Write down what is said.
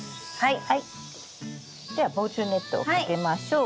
では防虫ネットをかけましょう。